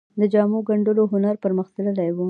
د جامو ګنډلو هنر پرمختللی و